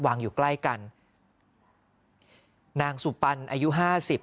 อยู่ใกล้กันนางสุปันอายุห้าสิบ